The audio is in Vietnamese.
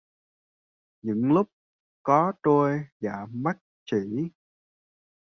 Những lúc có tôi và mắt chỉ...